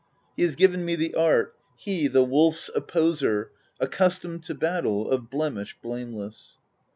He has given me the art — He, the Wolf's Opposer, Accustomed to battle, — Of blemish blameless.